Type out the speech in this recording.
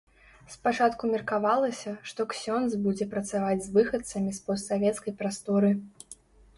Спачатку меркавалася, што ксёндз будзе працаваць з выхадцамі з постсавецкай прасторы.